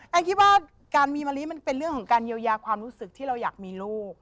คิดว่าการมีมะลิมันเป็นเรื่องของการเยียวยาความรู้สึกที่เราอยากมีลูก